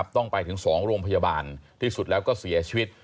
ต้องไปถึง๒โรงพยาบาลที่สุดแล้วก็เสียชีวิต